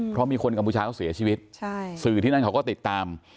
เพราะมีคนกัมพูชาเขาเสียชีวิตสื่อที่นั่นเขาก็ติดตาม